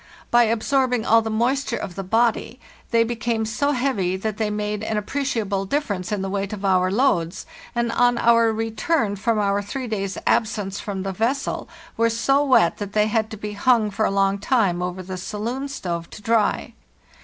By absorbing all the moist ure of the body they became so heavy that they made an appreciable difference in the weight of our loads, and on our return from our three days' absence from the vessel were so wet that they had to be hung for a long time over the saloon stove to dry.